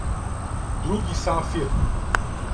други сафир